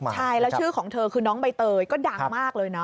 ใช่แล้วชื่อของเธอคือน้องใบเตยก็ดังมากเลยนะ